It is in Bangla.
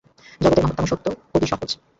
জগতের মহত্তম সত্য অতি সহজ।